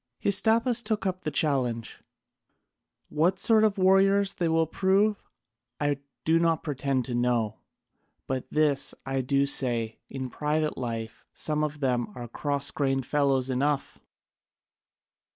Hystaspas took up the challenge: "What sort of warriors they will prove I do not pretend to know, but this I do say, in private life some of them are cross grained fellows enough.